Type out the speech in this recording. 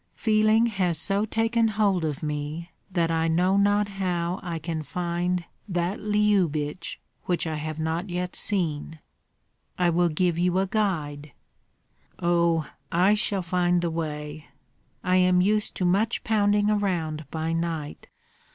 Feeling has so taken hold of me that I know not how I can find that Lyubich which I have not yet seen." "I will give you a guide." "Oh, I shall find the way. I am used to much pounding around by night.